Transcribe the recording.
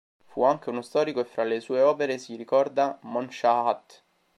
Fu anche uno storico e fra le sue opere si ricorda "Monsha'at".